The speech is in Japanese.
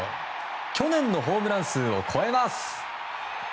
去年のホームラン数を超えます。